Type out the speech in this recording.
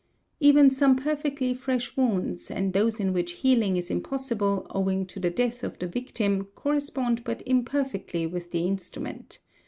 Even some perfectly fresh wounds and those in which : healing is impossible owing to the death of the victim correspond but imperfectly with the instrument.